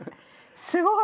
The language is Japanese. すごい！